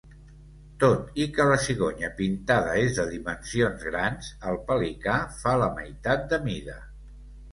Tot i que la cigonya pintada és de dimensions grans, el pelicà fa la meitat de mida.